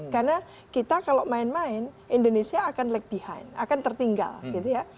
karena kita kalau main main indonesia akan lag behind akan tertinggal gitu ya